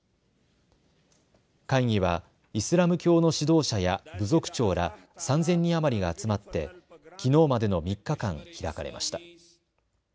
会議はイスラム教の指導者や部族長ら３０００人余りが集まってきのうまでの３日間、開かれました。